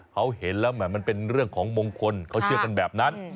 เขาเห็นแล้วมันเป็นเรื่องของมงคลเขาเชื่อกันแบบนั้น